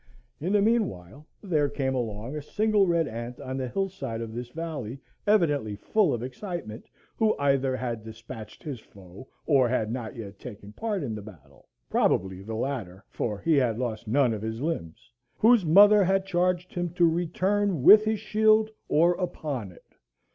In the mean while there came along a single red ant on the hill side of this valley, evidently full of excitement, who either had despatched his foe, or had not yet taken part in the battle; probably the latter, for he had lost none of his limbs; whose mother had charged him to return with his shield or upon it.